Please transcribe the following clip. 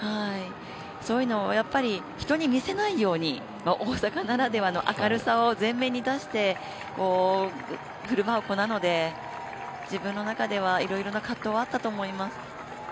そういうのを、人に見せないように大阪ならではの明るさを前面に出して振る舞う子なので自分の中ではいろんな葛藤があったと思います。